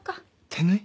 手縫い？